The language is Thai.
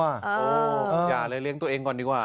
โอ้โหอย่าเลยเลี้ยงตัวเองก่อนดีกว่า